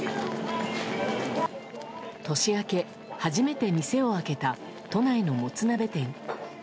年明け、初めて店を開けた都内のもつ鍋店。